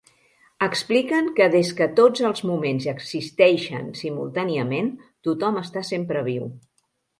Expliquen que des que tots els moments existeixen simultàniament, tothom està sempre viu.